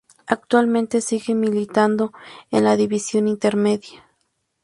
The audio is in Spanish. Actualmente sigue militando en la División Intermedia.